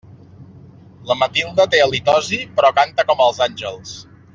La Matilde té halitosi, però canta com els àngels.